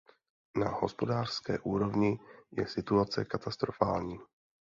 Na hospodářské úrovni je situace katastrofální.